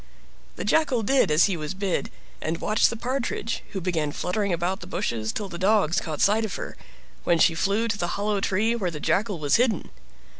The Jackal did as he was bid, and watched the Partridge, who began fluttering about the bushes till the dogs caught sight of her, when she flew to the hollow tree where the Jackal was hidden.